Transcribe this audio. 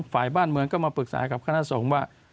ฝ่ายบ้านเมืองก็มาปรึกษากับคณะสงฆ์ว่า